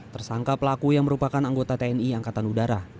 tersangka pelaku yang merupakan anggota tni angkatan udara